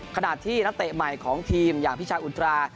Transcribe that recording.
ขณะที่นักเตะใหม่ของทีมอย่างพิชาอุตรา